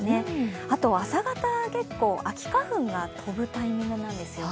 あと朝方、結構、秋花粉が飛ぶタイミングなんですよね。